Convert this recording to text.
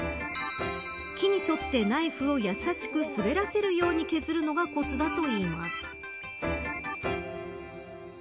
木に沿ってナイフをやさしく滑らせるように削るのがコツだといいます。